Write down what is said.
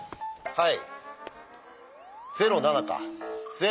はい。